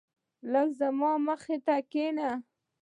لږ زما مخی ته کينه